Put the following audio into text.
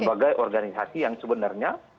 sebagai organisasi yang sebenarnya